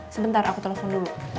sebentar aku telepon dulu